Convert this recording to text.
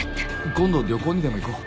今度旅行にでも行こう。